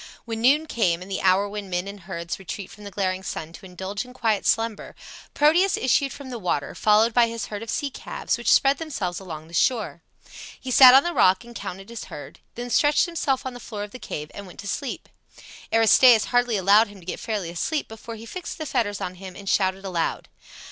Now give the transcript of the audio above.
When noon came and the hour when men and herds retreat from the glaring sun to indulge in quiet slumber, Proteus issued from the water, followed by his herd of sea calves which spread themselves along the shore. He sat on the rock and counted his herd; then stretched himself on the floor of the cave and went to sleep. Aristaeus hardly allowed him to get fairly asleep before he fixed the fetters on him and shouted aloud.